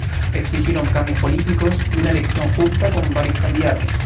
Exigieron cambios políticos y una elección justa con varios candidatos.